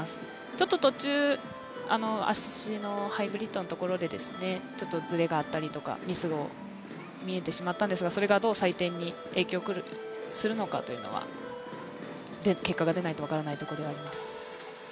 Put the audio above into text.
ちょっと途中、足のハイブリッドのところでズレがあったりとか、ミスが見えてしまったんですけれども、それがどう採点に影響するのかは結果が出ないと分からないところであります。